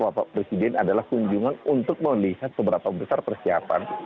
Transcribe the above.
bapak presiden adalah kunjungan untuk melihat seberapa besar persiapan